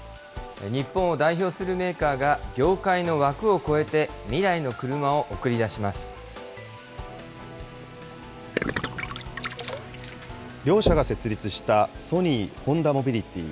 日本を代表するメーカーが、業界の枠を超えて未来の車を送り両社が設立したソニー・ホンダモビリティ。